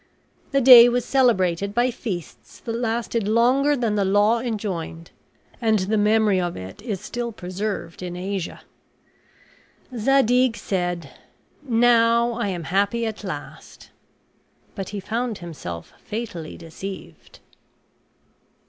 The day was celebrated by feasts that lasted longer than the law enjoined; and the memory of it is still preserved in Asia. Zadig said, "Now I am happy at last"; but he found himself fatally deceived.